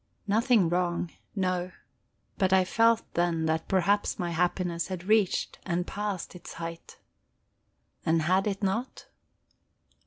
Nothing wrong, no. But I felt then that perhaps my happiness had reached and passed its height. And had it not?